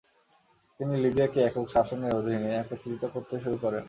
তিনি লিবিয়াকে একক শাসনের অধীনে একত্রীত করতে শুরু করেন।